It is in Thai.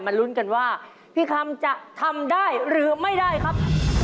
ลุ้นกันว่าพี่คำจะทำได้หรือไม่ได้ครับ